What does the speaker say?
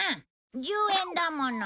１０円だもの。